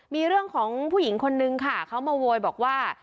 มีเรื่องของผู้หญิงคนนึงค่ะเขามาโวยบอกว่า